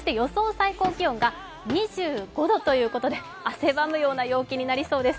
最高気温が２５度ということで汗ばむような陽気になりそうです。